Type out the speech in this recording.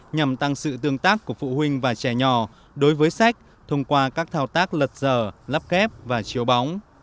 nhằm tăng sự tương tác của phụ huynh và trẻ nhỏ đối với sách thông qua các thao tác lật dở lắp kép và chiếu bóng